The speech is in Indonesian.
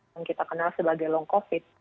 yang kita kenal sebagai long covid sembilan belas